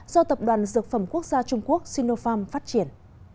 do tập đoàn dược phẩm quốc gia trung quốc sinopharm phát triển